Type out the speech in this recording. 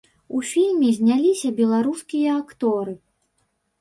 У фільме зняліся беларускія акторы.